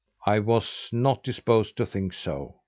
I was not disposed to think so.